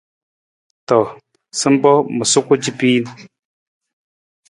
To, sampa ma suku capiin.